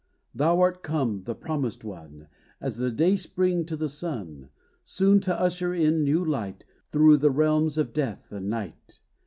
Thou art come, the promised one, As the dayspring to the sun, Soon to usher in new light Through the realms of death and night!